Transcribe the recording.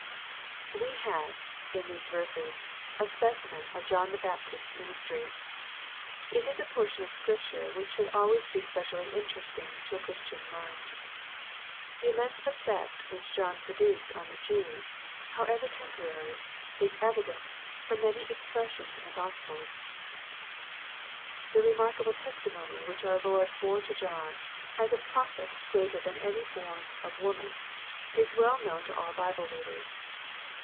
Wk have, in these verses, a specimen of John the Bap tist's ministry. It is a portion of Scripture which should always be specially interesting to a Christian mind. The immense effect which John produced on the Jews, how ever temporary, is evident, from many expressions in the Gospels, The remarkable testimony which our Lord bore tc John^ as ^^ a prophet greater than any born of LUKE, CHAP. in. 89 woman/' is well known to all Bible readers.